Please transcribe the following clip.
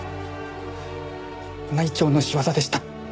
内調の仕業でした。